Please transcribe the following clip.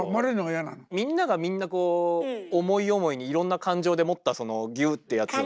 みんながみんなこう思い思いにいろんな感情で持ったそのギューッてやつが。